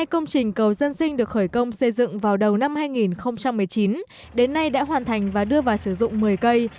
hai mươi công trình cầu dân sinh được khởi công xây dựng vào đầu năm hai nghìn một mươi chín đến nay đã hoàn thành và đưa vào sử dụng một mươi cây